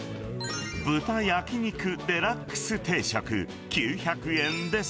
豚焼肉デラックス定食９００円です。